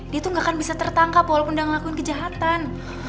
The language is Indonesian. dia tuh gak akan bisa tertangkap walaupun udah ngelakuin kejahatan